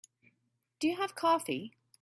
Do you have coffee?